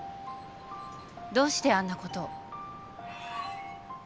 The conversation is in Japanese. どうしてあんなことを？